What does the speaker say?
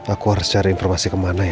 aku harus cari informasi kemana ya